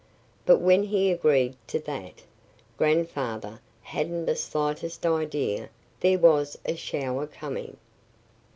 But when he agreed to that, Grandfather hadn't the slightest idea there was a shower coming.